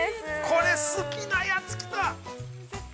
◆これ、好きなやつ来た。